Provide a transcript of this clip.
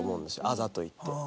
「あざとい」って。